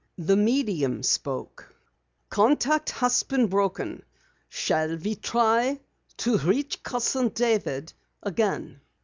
The medium spoke. "Contact has been broken. Shall we try to reach Cousin David again?"